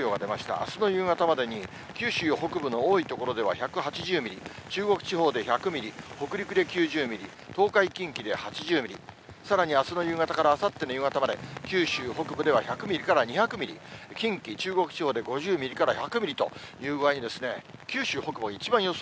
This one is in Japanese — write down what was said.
あすの夕方までに、九州北部の多い所では１８０ミリ、中国地方で１００ミリ、北陸で９０ミリ、東海、近畿で８０ミリ、さらにあすの夕方からあさっての夕方まで、九州北部では１００ミリから２００ミリ、近畿、中国地方で５０ミリから１００ミリという具合に、九州北部の予想